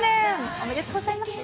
おめでとうございます。